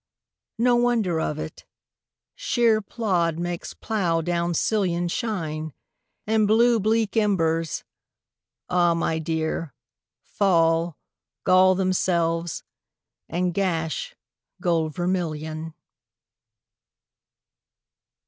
No wonder of it: shéer plód makes plough down sillion Shine, and blue bleak embers, ah my dear, Fall, gall themselves, and gash gold vermillion.